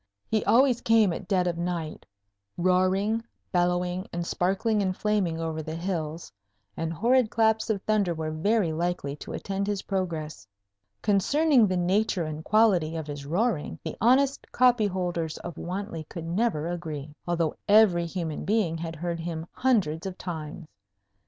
He always came at dead of night, roaring, bellowing, and sparkling and flaming over the hills, and horrid claps of thunder were very likely to attend his progress. Concerning the nature and quality of his roaring, the honest copyholders of Wantley could never agree, although every human being had heard him hundreds of times.